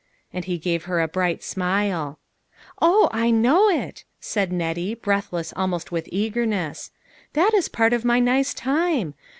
And he gave her a bright smile. " Oh ! I know it," said Nettie, breathless almost with eagerness. " That is part of my nice time.